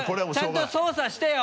ちゃんと操作してよ！